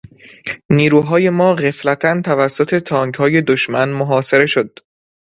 نیروهای ما غفلتا توسط تانکهای دشمن محاصره شد.